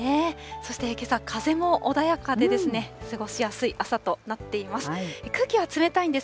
そしてけさ、風も穏やかで過ごしやすい朝となっています。